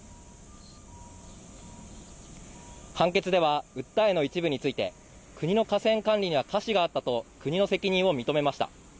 判決では訴えの一部について国の河川管理には瑕疵があったと国の責任を認めました。